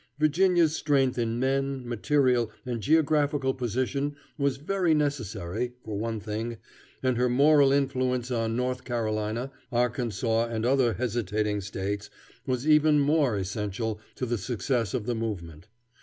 Virginia's strength in men, material, and geographical position was very necessary, for one thing, and her moral influence on North Carolina, Arkansas, and other hesitating States, was even more essential to the success of the movement.